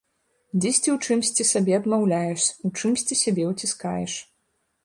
Дзесьці ў чымсьці сабе адмаўляеш, у чымсьці сябе уціскаеш.